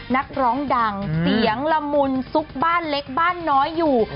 นักร้องดังเสียงละมุนซุกบ้านเล็กบ้านน้อยอยู่